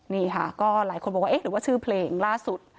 นี่ค่ะก็หลายคนบอกว่าเอ๊ะหรือว่าชื่อเพลงล่าสุด